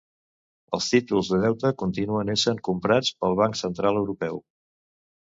Els títols de deute continuen essent comprats pel Banc Central Europeu